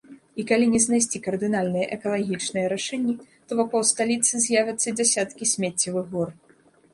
І калі не знайсці кардынальныя экалагічныя рашэнні, то вакол сталіцы з'явяцца дзясяткі смеццевых гор.